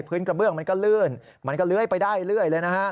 กระเบื้องมันก็ลื่นมันก็เลื้อยไปได้เรื่อยเลยนะฮะ